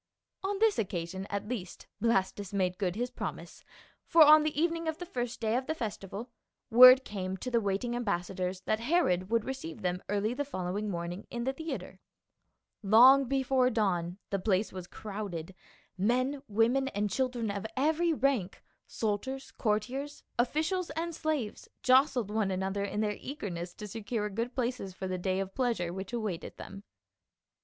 On this occasion at least Blastus made good his promise, for on the evening of the first day of the festival, word came to the waiting ambassadors that Herod would receive them early the following morn ing in the theatre. Long before dawn the place was crowded, men, women and children of every rank, soldiers, courtiers, officials and slaves jostled one another in their eager ness to secure good places for the day of pleasure which awaited them.